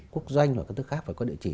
quốc doanh hoặc các thứ khác phải có địa chỉ